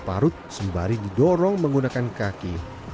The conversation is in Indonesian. sebelum matang parut sembari didorong menggunakan kaki